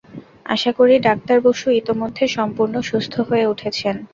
আশা করি, ডাক্তার বসু ইতোমধ্যে সম্পূর্ণ সুস্থ হয়ে উঠেছেন।